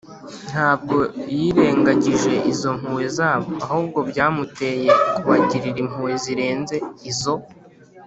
ntabwo yirengagije izo mpuhwe zabo, ahubwo byamuteye kubagirira impuhwe zirenze izo